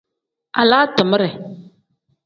Alaa timere.